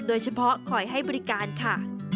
โดยเฉพาะคอยให้บริการค่ะ